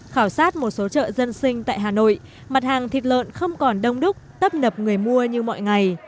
khảo sát một số chợ dân sinh tại hà nội mặt hàng thịt lợn không còn đông đúc tấp nập người mua như mọi ngày